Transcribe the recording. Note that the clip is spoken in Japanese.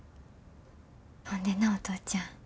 ほんでなお父ちゃん。